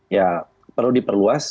ya perlu diperluas